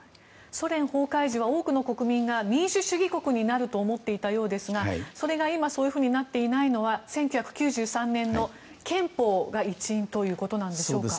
ソ連崩壊時は多くの国民が民主主義国になると思っていたようですがそれが今そういうふうになっていないのは１９９３年の憲法が一因ということでしょうか？